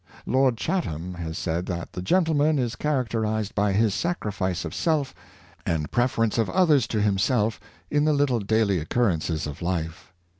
Lord Chatham has said that the gentleman is char acterized by his sacrifice of self and preference of others to himself in the little daily occurrences of life.